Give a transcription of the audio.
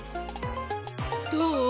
どう？